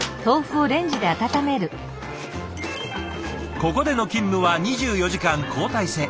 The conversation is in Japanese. ここでの勤務は２４時間交代制。